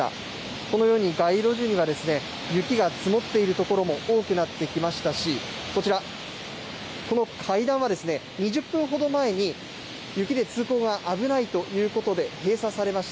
このように街路樹には雪が積もっている所も多くなってきましたしこちら、この階段は２０分ほど前に雪で通行が危ないということで閉鎖されました。